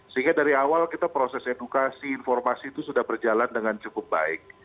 sehingga dari awal kita proses edukasi informasi itu sudah berjalan dengan cukup baik